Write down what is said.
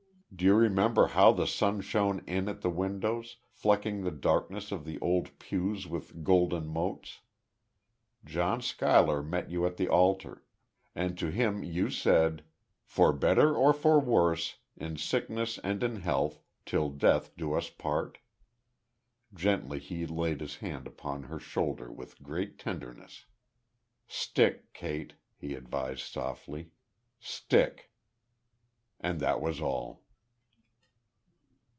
Do you remember how the sun shone in at the windows, flecking the darkness of the old pews with golden motes? John Schuyler met you at the altar; and to him you said, 'For better or for worse, in sickness and in health, till death us do part.'" Gently he laid his hand upon her shoulder, with great tenderness. "Stick, Kate," he advised, softly. "Stick." And that was all.